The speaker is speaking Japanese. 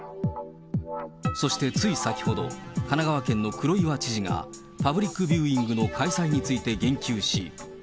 そしてつい先ほど、神奈川県の黒岩知事が、パブリックビューイングの開催について言及し。